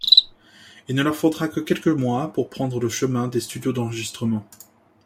Il ne leur faudra que quelques mois pour prendre le chemin des studios d’enregistrement.